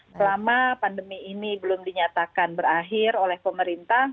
selama pandemi ini belum dinyatakan berakhir oleh pemerintah